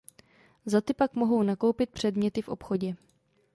Za ty pak mohou nakoupit předměty ve obchodě.